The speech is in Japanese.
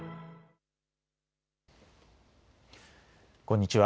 こんにちは。